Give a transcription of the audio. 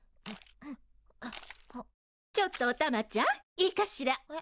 ちょっとおたまちゃんいいかしら？